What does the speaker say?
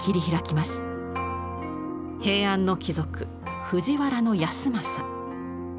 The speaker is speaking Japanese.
平安の貴族藤原保昌。